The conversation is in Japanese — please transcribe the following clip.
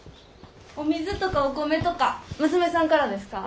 お水とかお米とか娘さんからですか？